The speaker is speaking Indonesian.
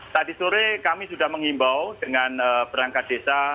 tadi sore kami sudah mengimbau dengan berangkat desa